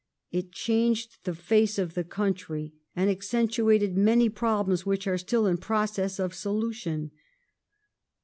It changed the face of the country and ac centuated many problems which are still in process of solution.